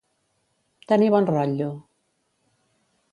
Tenir bon rotllo.